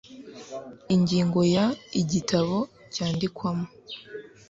ingingo ya igitabo cyandikwamo